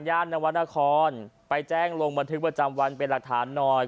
ญาตินวัฒนาคอร์นไปแจ้งลงบันทึกประจำวันเป็นรักฐานหน่อย